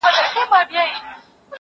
ايا ته ليکنې کوې،